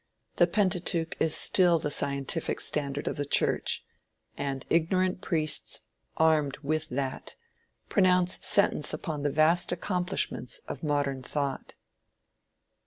The Pentateuch is still the scientific standard of the church, and ignorant priests, armed with that, pronounce sentence upon the vast accomplishments of modern thought.